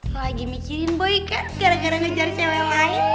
lagi mikirin boy kan gara gara ngejar cewek lain